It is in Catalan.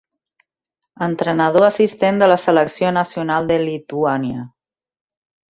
Entrenador assistent de la selecció nacional de Lituània.